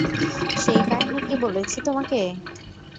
সেই কাহিনী কি বলেছি তোমাকে?